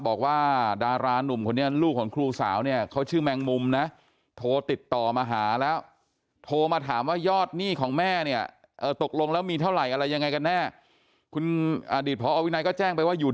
บอกว่าดารานุ่มคนนี้ลูกของครูสาวเขาชื่อแมงมุมนะ